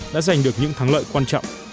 đã giành được những thắng lợi quan trọng